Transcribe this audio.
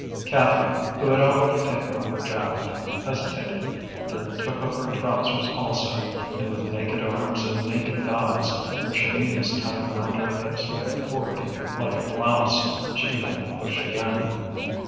Catherine, who had already taken off her jacket, hesitated, then took off her trousers also; and with naked arms and naked thighs, her chemise tied round her hips by a cord like a blouse, she began to push again.